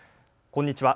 こんにちは。